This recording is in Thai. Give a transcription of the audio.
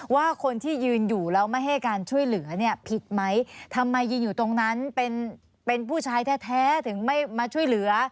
ว่าคนที่ยืนอยู่แล้วไม่ให้การช่วยเหลือเนี่ยผิดไหมทำไมยืนอยู่ตรงนั้นเป็นผู้ชายแท้ถึงไม่มาช่วยเหลือ